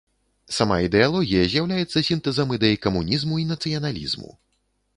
Сама ідэалогія з'яўляецца сінтэзам ідэй камунізму і нацыяналізму.